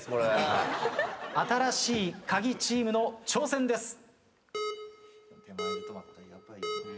新しいカギチームの挑戦です。